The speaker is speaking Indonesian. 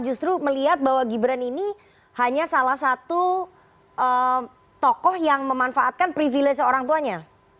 justru melihat bahwa gibran ini hanya salah satu tokoh yang memanfaatkan privilege orang tuanya